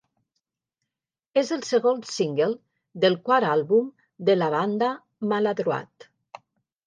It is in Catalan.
És el segon single del quart àlbum de la banda, "Maladroit".